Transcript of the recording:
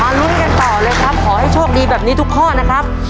ลุ้นกันต่อเลยครับขอให้โชคดีแบบนี้ทุกข้อนะครับ